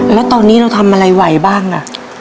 แล้วตอนนี้เราทำอะไรไหวบ้างอ่ะ